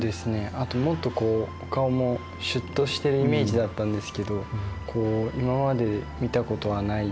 あともっとこうお顔もシュッとしてるイメージだったんですけど今まで見たことはないような。